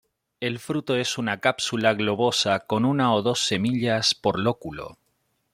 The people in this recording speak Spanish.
El fruto es una cápsula globosa con una o dos semillas por lóculo.